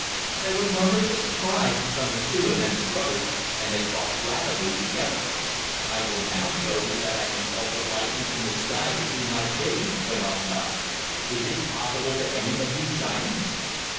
There were murmurs of surprise from the two immense brothers, and they talked rapidly together. "I will now show you that I can call the lightning from the sky to do my bidding," went on Tom. "Is that possible to any of you giants?"